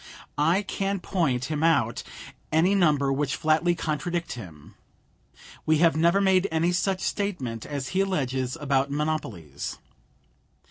I can point him out any number which flatly contradict him. We have never made any such statement as he alleges about monopolies.